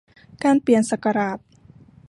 การเปลี่ยนศักราช